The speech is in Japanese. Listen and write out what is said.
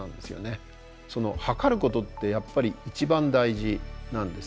測ることってやっぱり一番大事なんです。